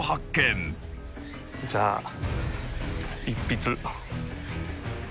じゃあ一筆。